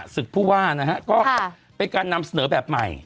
ศึกภูวานะฮะ